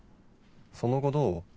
その後どう？